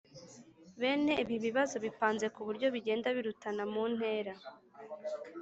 Bene ibi bibazo bipanze ku buryo bigenda birutana mu ntera